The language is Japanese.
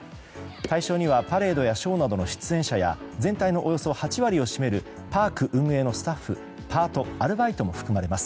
対象にはパレードやショーなどの出演者や全体のおよそ８割を占めるパーク運営のスタッフ、パートアルバイトも含まれます。